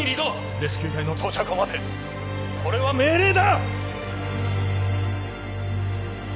レスキュー隊の到着を待てこれは命令だ！